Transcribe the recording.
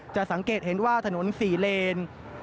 จะสังเกตเห็นว่าถนน๔เลน